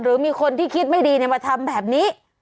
หรือมีคนที่คิดไม่ดีมาทำแบบนี้